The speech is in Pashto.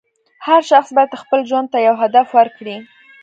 هر شخص باید خپل ژوند ته یو هدف ورکړي.